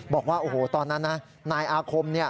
บอกว่าตอนนั้นนะนายอาคม